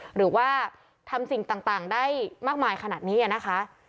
หรือว่าทำสิ่งต่างได้มากมายขนาดนี้นะคะ